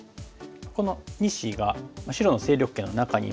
この２子が白の勢力圏の中にいまして。